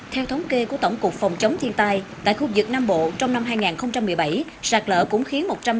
theo thống kê của tổng cục phòng chống thiên tai tại khu vực nam bộ trong năm hai nghìn một mươi bảy sạt lở cũng khiến